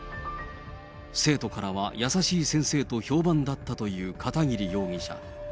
生徒からは優しい先生と評判だったという片桐容疑者。